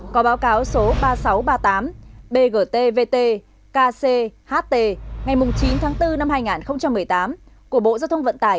có báo cáo số ba nghìn sáu trăm ba mươi tám bgtvt kcht ngày chín tháng bốn năm hai nghìn một mươi tám của bộ giao thông vận tải